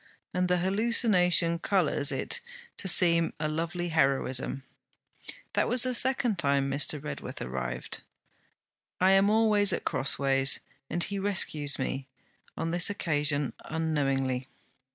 And the hallucination colours it to seem a lovely heroism. That was the second time Mr. Redworth arrived. I am always at crossways, and he rescues me; on this occasion unknowingly.'